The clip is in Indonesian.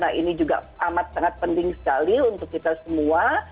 karena ini juga amat sangat penting sekali untuk kita semua